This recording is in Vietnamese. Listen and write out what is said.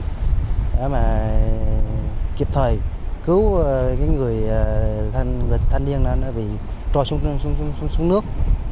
để mà kịp thời cứu những người thanh niên bị trôi xuống nước